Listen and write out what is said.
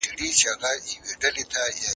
په ناحقه د چا پیسې مه غواړئ.